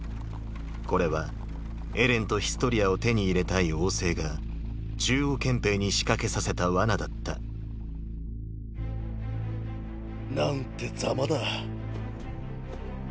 これはエレンとヒストリアを手に入れたい王政が中央憲兵に仕掛けさせた罠だった何ってザマだ。